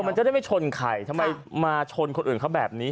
มันจะได้ไม่ชนใครทำไมมาชนคนอื่นเขาแบบนี้